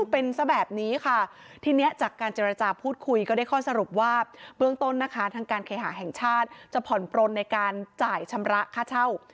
เป็นซะแบบนี้ค่ะทีนี้จากการเจรจาพูดคุยก็ได้ข้อสรุปว่าเบื้องต้นนะคะทางการเคหาแห่งชาติจะผ่อนปลนในการจ่ายชำระค่าเช่า